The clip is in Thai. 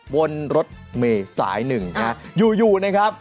บนรถเมย์สายหนึ่งอยู่นะครับ